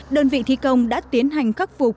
đơn vị thi công đã tiến hành khắc phục